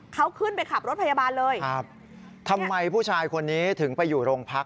เขาขึ้นไปขับรถพยาบาลเลยครับทำไมผู้ชายคนนี้ถึงไปอยู่โรงพัก